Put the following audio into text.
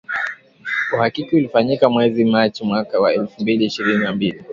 Uhakiki ulifanyika mwezi Machi mwaka wa elfu mbili ishirini na mbili.